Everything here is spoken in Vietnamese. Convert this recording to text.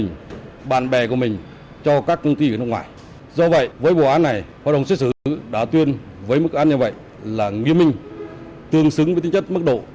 hội đồng xét xử đã tuyên với mức án như vậy là nghiêm minh tương xứng với tính chất mức độ